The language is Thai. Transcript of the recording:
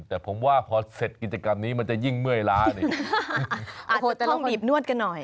แต่ผมว่าพอเสร็จกิจกรรมนี้มันจะยิ่งเมื่อยล้าเนี่ย